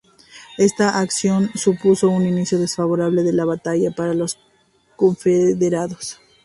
Esta acción supuso un inicio desfavorable de la batalla, para los confederados.